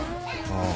ああ。